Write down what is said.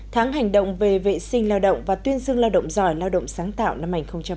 tháng hành động về vệ sinh lao động và tuyên dương lao động giỏi lao động sáng tạo năm hai nghìn một mươi chín